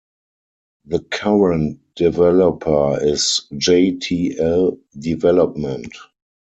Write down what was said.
The current developer is J-T-L Development.